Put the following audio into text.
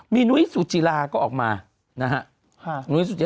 มีหนุ้ยสูตรจีราก็ออกมานะฮะหนุ้ยสูตรจีราก็ออกมาบอกว่า